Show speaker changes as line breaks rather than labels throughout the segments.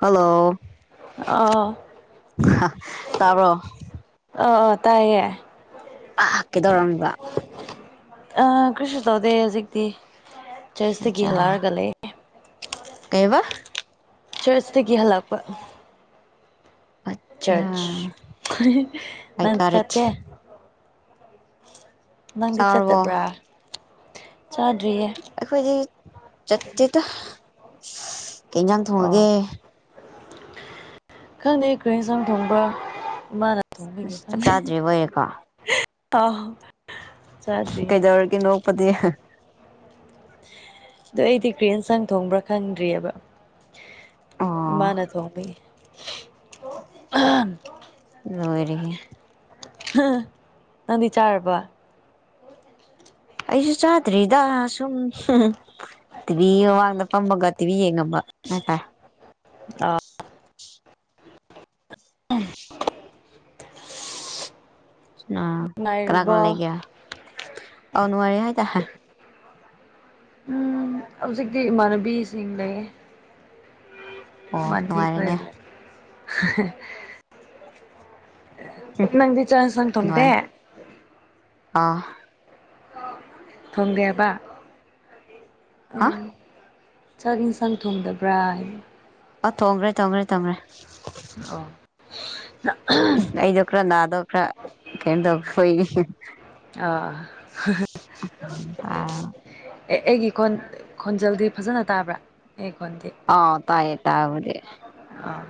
hello
ꯑꯥ
ꯇꯥꯔꯣ
ꯑꯥ ꯑꯥ ꯇꯥꯏꯌꯦꯦ
ꯍꯥ ꯀꯦꯗꯧꯔꯝꯕ꯭ꯔ
ꯑ ꯈ꯭ꯔꯤ ꯇꯧꯗꯦ ꯍꯧꯖꯤꯛꯇꯤ ꯆꯔꯆꯇꯒꯤ
ꯑꯆꯥ
ꯍꯜꯂꯛꯑꯔꯒ ꯂꯩ
ꯀꯩꯕ
ꯆꯔꯆꯇꯗꯒꯤ ꯍꯂꯛꯄ
ꯑꯆꯥ
ꯆꯔꯆ ꯅ
ꯑꯥꯏ ꯒꯣꯠ ꯏꯠ
ꯅꯪꯗꯤ
ꯆꯥꯔꯕꯣ
ꯆꯠꯇꯕ꯭ꯔꯥ ꯆꯥ
ꯑꯩꯈꯣꯏꯗꯤ ꯆꯠꯇꯦꯠꯇ ꯀ ꯏꯟꯖꯥꯡ
ꯑꯣ
ꯊꯣꯡꯉꯒꯦ
ꯈꯪꯗꯦ ꯑꯩꯈꯣꯏ ꯌꯦꯟꯁꯥꯡ ꯊꯣꯡꯕ꯭ꯔ ꯃꯥꯅ ꯊꯣꯡꯕꯒꯤꯦ
ꯑꯁ ꯆꯥꯛ
ꯈꯪꯗꯦ
ꯆꯥꯗ꯭ꯔꯤꯕ ꯑꯣꯏꯔꯦꯀꯣ
ꯑꯣ
ꯀꯩꯗꯧꯔꯒꯤ ꯅꯣꯛꯄꯗꯤ
ꯑꯣ ꯑꯩꯗꯤ ꯀ꯭ꯔꯦꯟ ꯁꯪ ꯊꯣꯡꯕ꯭ꯔꯥ ꯈꯪꯗ꯭ꯔꯤꯑꯕ
ꯑꯣ
ꯃꯥꯅꯦ ꯊꯣ
ꯑꯗꯨ ꯑꯣꯏꯔꯤ
ꯅꯗꯤ ꯆꯥꯔꯔꯕ
ꯑꯩꯁꯨ ꯆꯥꯗ꯭ꯔꯤꯗ ꯁꯨꯝ ꯇꯤꯚꯤ ꯃꯃꯥꯡꯗ ꯐꯝꯃꯒ ꯇꯤꯚꯤ ꯌꯦꯡꯉꯝꯃꯒ ꯎ
ꯑꯥ ꯎ
ꯑ ꯀꯅꯥ
ꯅꯨꯡꯉꯥꯏꯔꯤꯕꯣ
ꯀꯅꯥ ꯂꯩꯒꯦ ꯑꯥꯎꯅꯉꯔ ꯍꯥꯏ ꯇ
ꯎꯝ ꯍꯧꯖꯤꯛꯇꯤ ꯏꯃꯥꯟꯅꯕꯤꯁꯤꯡ ꯂꯩ
ꯑꯣ
ꯃꯟꯤ ꯐ
ꯅꯨꯡꯉꯥꯏꯔꯦꯅꯦ
ꯂꯩꯦ ꯆꯥꯛ ꯌꯦꯟꯁꯥꯡ
ꯅꯨꯡꯥꯏ
ꯊꯣꯡꯗꯦ
ꯑ
ꯊꯣꯡꯗꯦꯕ
ꯍꯥ
ꯎꯝ ꯆꯥꯛ ꯌꯦꯟꯁꯥꯡ ꯊꯣꯡꯗꯕ꯭ꯔꯥ ꯍꯥꯏ
ꯑ ꯇꯣꯡ꯭ꯔꯦ ꯇꯣꯡ꯭ꯔꯦ ꯇꯣꯡ꯭ꯔꯦ
ꯑ
ꯑꯩꯗꯀ꯭ꯔ ꯅꯗꯈ꯭ꯔ ꯀꯗꯣꯏ
ꯑꯥ
ꯑꯥ
ꯑꯦ ꯑꯩꯒꯤꯣꯟ ꯈꯣꯟꯖꯦꯜꯗꯤ ꯐꯖꯅ ꯇꯥꯕ꯭ꯔꯥ ꯑꯩ ꯈꯣꯟꯗꯤ
ꯑꯥꯎ ꯇꯥꯏ ꯇꯥꯎꯗꯦ
ꯑꯥ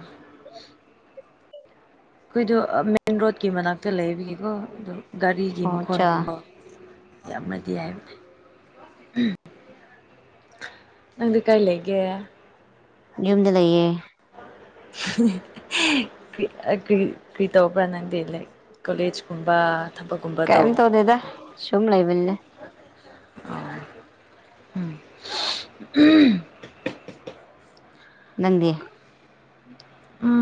ꯑꯩꯈꯣꯏꯗꯣ ꯃꯦꯟ ꯔꯣꯗꯀꯤ ꯃꯅꯥꯛꯇ ꯂꯩꯕꯤꯒꯤ ꯑꯗꯨꯒ ꯑꯗꯨ ꯒꯥꯔꯤꯒꯤ
ꯑꯣ ꯑꯠꯆꯥ
ꯃꯈꯣꯟꯒꯨꯝꯕ ꯌꯥꯝꯅꯗꯤ ꯍꯥꯏꯕꯅꯦ ꯅꯪꯗꯤ ꯀꯥꯏ ꯂꯩꯒꯦ
ꯌꯨꯝꯨꯝꯗ ꯂꯩꯌꯦ
ꯀꯔꯤ ꯀ꯭ꯔꯤꯇ ꯑꯣꯄ꯭ꯔꯅꯗꯤ ꯂꯩ ꯀꯣꯂꯦꯖꯀꯨꯝꯕ
ꯀꯝ ꯇꯧ ꯗꯦꯗꯥ ꯁꯨꯃ ꯂꯩꯕꯦ
ꯑ ꯎ
ꯅꯗꯤ
ꯎ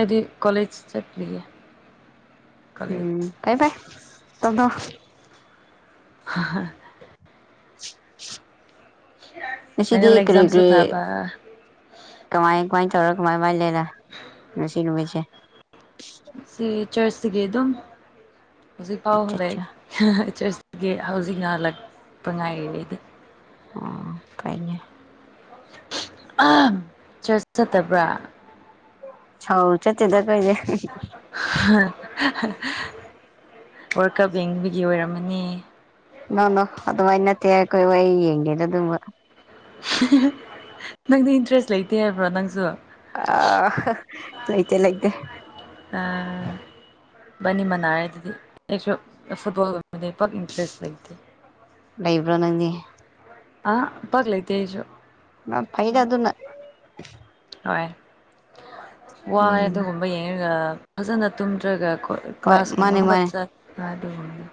ꯑꯗꯨꯗꯤ ꯀꯂꯦꯖ ꯆꯠ ꯂꯩꯦ
ꯎꯝ ꯀꯥꯏ ꯐꯥꯏ ꯇꯗꯣ
ꯍꯥ
ꯅ ꯁꯤꯗꯤ
ꯐꯥꯏꯅꯦꯜ
ꯀꯔꯦ
ꯑꯦꯛꯖꯥꯝꯁꯨ
ꯀꯦ
ꯊꯥꯕ
ꯀꯃꯥꯏ ꯀꯃꯥꯏ ꯇꯧꯔ ꯀꯃꯥꯏ ꯀꯃꯥꯏꯅ ꯂꯩꯔ ꯉꯁꯤ ꯅꯨꯃꯤꯠꯁꯦ
ꯁꯤ ꯆꯔꯆꯁꯤꯒꯤ ꯑꯗꯨꯝ ꯍꯧꯖꯤꯛꯐꯥꯎ
ꯑꯠꯆꯥ
ꯂ
ꯑꯠꯆꯥ
ꯆꯔꯆ ꯍꯧꯖꯤꯛ ꯉꯜꯂꯛꯄ ꯉꯥꯏꯔꯤꯩꯗꯤ
ꯑꯣ ꯀꯩꯅꯦ
ꯑ ꯆꯠ ꯆꯠꯇꯕ꯭ꯔꯥ
ꯍꯥꯎ ꯆꯠꯇꯗ ꯀꯩꯗ
ꯋꯥꯔꯀ ꯦꯡꯒꯤ ꯑꯣꯏꯔꯝꯃꯅꯤ
ꯅꯣꯅꯣ ꯑꯗꯨꯃꯥꯏ ꯅꯠꯇꯦ ꯑꯩꯈꯣꯏ ꯋꯥ ꯌꯦꯡꯒꯦꯗ ꯑꯗꯨꯕ
ꯅꯪꯗꯤ ꯏꯟꯇꯔꯦꯁ ꯂꯩꯇꯦ ꯍꯥꯏꯕ꯭ꯔꯣ ꯅꯪꯁꯨ
ꯑ ꯂꯩꯇꯦ ꯂꯩꯒꯦ
ꯕꯅꯤ ꯃꯅꯥꯔꯗꯨꯗꯤ ꯑꯩꯁꯨ ꯐꯨꯠꯕꯣꯜ ꯑꯣꯏ ꯃꯦ ꯄ ꯏꯟꯇꯔꯦꯁ ꯂꯩꯇ
ꯂꯩꯕ꯭ꯔꯣ ꯅꯪꯗꯤ
ꯑꯥ ꯄꯒ ꯂꯩꯇꯁꯨ
ꯐꯩꯗ ꯑꯗꯨꯅ
ꯍꯣꯏ ꯋꯥꯏ
ꯎꯝ
ꯑꯗꯨꯒꯨꯝꯕ ꯌꯦꯡꯉꯒ ꯐꯖꯅ ꯇꯨꯝꯗ꯭ꯔꯒ
ꯍꯣꯏ
ꯀ꯭ꯂꯥꯁꯀꯨꯝꯕ
ꯃꯥꯅꯦ
ꯑꯃꯈꯛ
ꯃꯥꯅꯦ
ꯆꯠ ꯥꯔꯗꯒꯅꯤ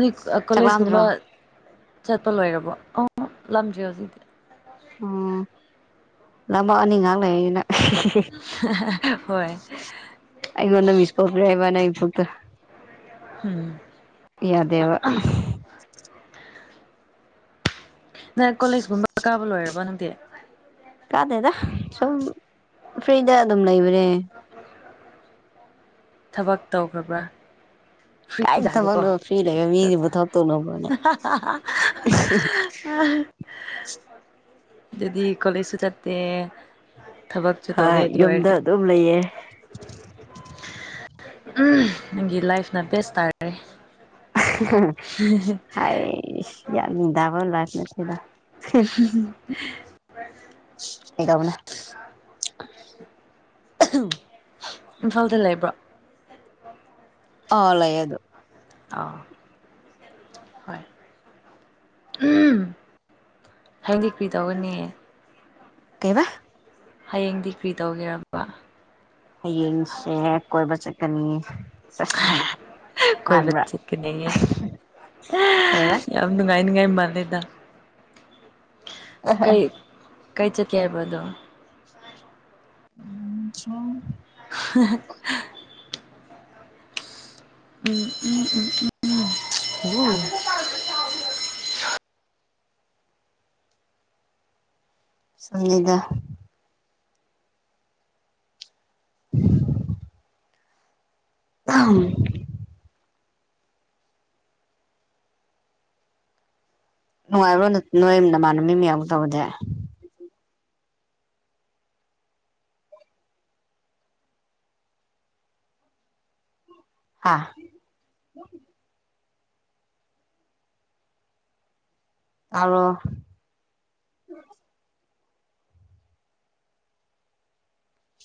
ꯗꯤ ꯀꯣꯂꯦꯖꯀꯨꯝꯕ
ꯆꯥꯛꯂꯥꯝꯗ꯭ꯔꯣ
ꯆꯠꯄꯣ ꯂꯣꯏꯔꯔꯕ ꯑ ꯂꯝ ꯣꯖꯤ
ꯂꯃꯅꯤ ꯉꯥꯡ ꯂꯩꯅ
ꯍꯣꯏ
ꯑꯩꯒꯣꯟꯅ ꯃꯤꯁ ꯀꯣ꯭ꯔꯕꯅꯦ ꯁꯠꯇ
ꯍꯝ
ꯌꯥꯗꯦꯕ
ꯅꯪ ꯀꯣꯂꯦꯖꯀꯨꯝꯕ ꯀꯥꯕ ꯂꯣꯏꯔꯕꯣ ꯅꯪꯗꯤ
ꯀꯥꯗꯦꯗ ꯁ ꯐꯔꯤꯗ ꯑꯗꯨꯝ ꯂꯩꯕ ꯔꯦ
ꯊꯕꯛ ꯇꯧꯈꯕ꯭ꯔꯥ ꯐꯔꯤ
ꯀꯥꯏ
ꯊꯕ ꯀꯣ
ꯊꯕꯛꯅꯣ ꯐ꯭ꯔꯤ ꯂꯩꯕ ꯃꯤꯁꯤꯕꯨ ꯊꯕꯛ ꯇꯧꯅꯕ꯭ꯔꯣꯅꯦ
ꯑꯗꯨꯗꯤ ꯀꯣꯂꯦꯖꯁꯨ ꯆꯠꯇꯦ ꯊꯕꯛꯁꯨ ꯇꯧꯗ
ꯍꯣꯏ
ꯑꯗꯨ
ꯌꯨꯝꯗ
ꯑꯣꯏꯗꯤ
ꯑꯗꯨꯝ ꯂꯩꯌꯦ
ꯅꯪꯒꯤ ꯂꯥꯏꯐꯅ ꯕꯦꯁ ꯇꯥꯔꯔꯦ
ꯍꯥꯏꯁ ꯌꯥꯅꯤꯗꯥꯕꯂ ꯃꯆꯗ
ꯑ
ꯍꯒꯕꯨꯅ
ꯏꯝꯐꯥꯜꯗ ꯂꯩꯕ꯭ꯔꯥ
ꯑ ꯂꯩꯦ ꯑꯗꯨ
ꯑ ꯍꯣꯏ ꯍꯗꯤ ꯀ꯭ꯔꯤ ꯇꯧꯒꯅꯤ
ꯀꯩꯕꯥ
ꯍꯌꯦꯡꯗꯤ ꯀ꯭ꯔꯤ ꯇꯧꯒꯦꯔꯕ
ꯍꯌꯦꯡꯁꯦ ꯀꯣꯏꯕ ꯆꯠꯀꯅꯤ ꯆꯁ
ꯀꯣꯏ
ꯃꯥꯟꯕ꯭ꯔꯥ
ꯆꯀꯤ ꯅ
ꯀꯩꯕ
ꯌꯥꯝ ꯅꯨꯡꯉꯥꯏ ꯅꯤꯡꯉ ꯃꯔꯂꯦꯗ
ꯎ
ꯀꯩ ꯆ ꯀ ꯍꯥꯏꯕꯗꯨꯣ
ꯎꯝ ꯆꯣ
[unintelligible] ꯎꯝ ꯎꯝ ꯎꯝ ꯎꯝ ꯎ ꯎ
ꯁꯪꯕꯤꯗꯥ ꯎ ꯑꯥꯡ ꯅꯨꯡꯉꯥꯏꯕ꯭ꯔꯣ ꯅꯣꯏ ꯅꯃꯥꯟꯅꯕ ꯃꯤ ꯃꯌꯥꯝ ꯇꯧꯕꯁꯦ ꯑꯥ ꯑꯔꯣ